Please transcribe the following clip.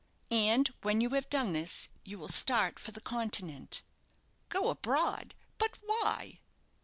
And when you have done this, you will start for the Continent." "Go abroad? But why?"